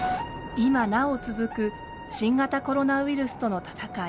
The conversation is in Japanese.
今なお続く新型コロナウイルスとの闘い。